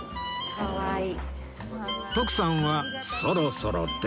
かわいい！